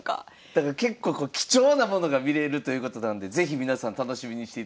だから結構貴重なものが見れるということなんで是非皆さん楽しみにしていただきたいと思います。